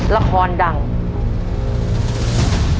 บ้านของเราครับ